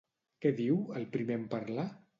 Què diu, el primer en parlar?